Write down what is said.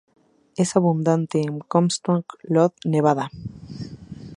Es abundante en Comstock Lode, Nevada.